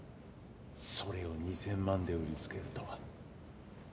それを２，０００万で売りつけるとは。